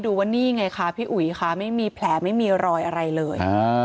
ดูว่านี่ไงคะพี่อุ๋ยค่ะไม่มีแผลไม่มีรอยอะไรเลย